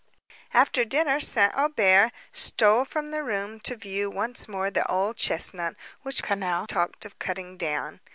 After dinner, St. Aubert stole from the room to view once more the old chesnut which Quesnel talked of cutting down.